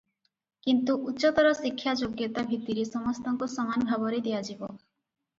କିନ୍ତୁ ଉଚ୍ଚତର ଶିକ୍ଷା ଯୋଗ୍ୟତା ଭିତ୍ତିରେ ସମସ୍ତଙ୍କୁ ସମାନ ଭାବରେ ଦିଆଯିବ ।